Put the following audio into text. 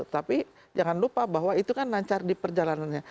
tapi jangan lupa bahwa itu kan lancar di perjalanannya